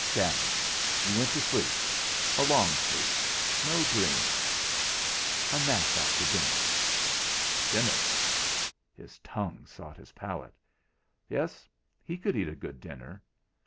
Gammon! You went to sleep a long sleep; no dreams. A nap after dinner! Dinner! His tongue sought his palate! Yes! he could eat a good dinner!